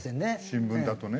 新聞だとね。